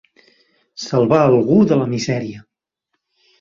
Salvar algú de la misèria.